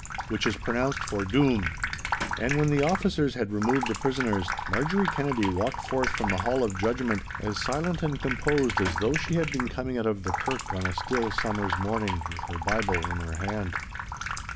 Which is pronounced for DOOM!' And when the officers had removed the prisoners, Marjorie Kennedy walked forth from the hall of judgment, as silent and composed as though she had been coming out of the kirk on a still summer's morning with her Bible in her hand.